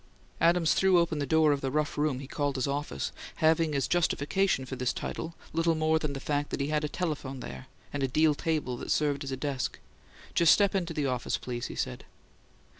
Adams threw open the door of the rough room he called his office, having as justification for this title little more than the fact that he had a telephone there and a deal table that served as a desk. "Just step into the office, please," he said.